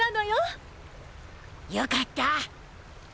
よかった。